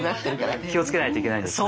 気をつけないといけないですが。